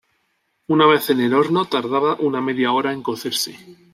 Una vez en el horno tardaba una media hora en cocerse.